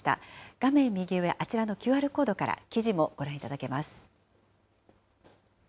画面右上、あちらのＱＲコードから記事もご覧いただけます。